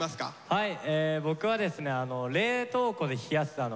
はい。